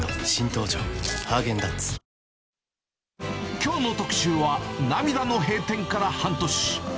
きょうの特集は、涙の閉店から半年。